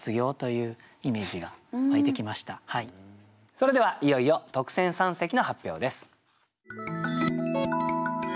それではいよいよ特選三席の発表です。